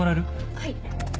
はい。